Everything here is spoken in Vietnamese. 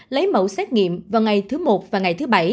lấy mẫu xét nghiệm vào ngày thứ một và ngày thứ bảy